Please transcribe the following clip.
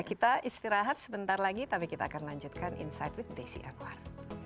kita istirahat sebentar lagi tapi kita akan lanjutkan insight with desi anwar